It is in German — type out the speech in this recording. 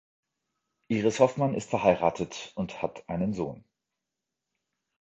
Iris Hoffmann ist verheiratet und hat einen Sohn.